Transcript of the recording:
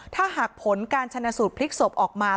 ถ้าหากผลการชนะสูตรพลิกศพออกมา